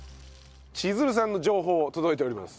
千鶴さんの情報届いております。